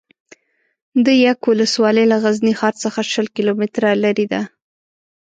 ده یک ولسوالي له غزني ښار څخه شل کیلو متره لري ده